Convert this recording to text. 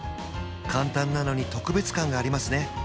簡単なのに特別感がありますね！